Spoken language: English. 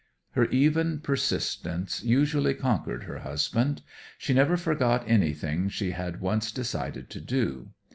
Her even persistence usually conquered her husband. She never forgot anything she had once decided to do.